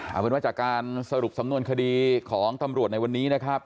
เอาเป็นว่าจากการสรุปสำนวนคดีของตำรวจในวันนี้นะครับ